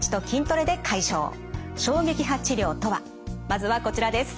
まずはこちらです。